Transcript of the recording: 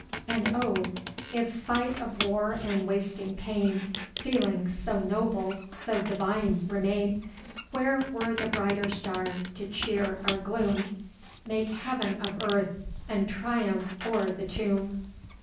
And Oh! if spite of war and wasting pain, Feelings so noble—so divine remain, Where were the brighter star to cheer our gloom, Make heaven of earth, and triumph o'er the tomb!